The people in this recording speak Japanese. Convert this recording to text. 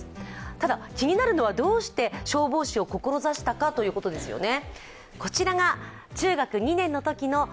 ただ、気になるのはどうして消防士を志したのかということですよね。